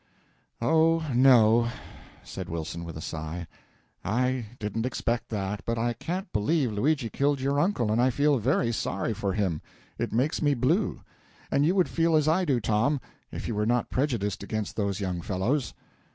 "Oh, no," said Wilson, with a sigh, "I didn't expect that, but I can't believe Luigi killed your uncle, and I feel very sorry for him. It makes me blue. And you would feel as I do, Tom, if you were not prejudiced against those young fellows."